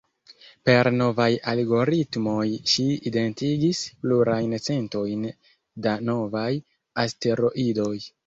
Per novaj algoritmoj ŝi identigis plurajn centojn da novaj asteroidoj.